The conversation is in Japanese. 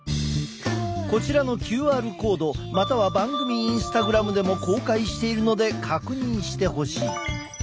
こちらのＱＲコードまたは番組インスタグラムでも公開しているので確認してほしい。